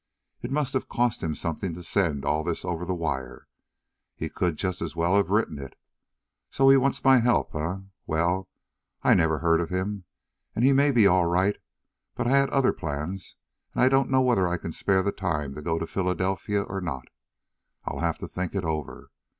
"It must have cost him something to send all this over the wire. He could just as well have written it. So he wants my help, eh? Well, I never heard of him, and he may be all right, but I had other plans, and I don't know whether I can spare the time to go to Philadelphia or not. I'll have to think it over.